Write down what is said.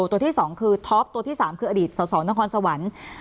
ตัวที่๒คือท็อปตัวที่๓คืออดีตสสนครสวรรค์